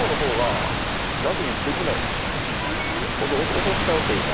落としちゃうというか。